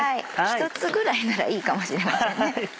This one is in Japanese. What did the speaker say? １つぐらいならいいかもしれませんね。